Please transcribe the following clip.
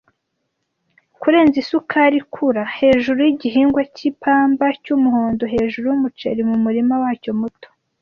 Kurenza isukari ikura, hejuru yigihingwa cy ipamba cyumuhondo , hejuru yumuceri mumurima wacyo muto,